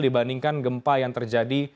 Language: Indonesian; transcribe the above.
dibandingkan gempa yang terjadi